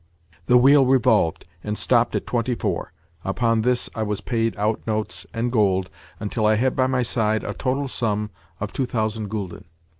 The wheel revolved, and stopped at twenty four. Upon this I was paid out notes and gold until I had by my side a total sum of two thousand gülden.